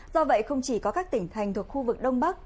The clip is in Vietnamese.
do vậy không chỉ có các tỉnh thành thuộc khu vực đông bắc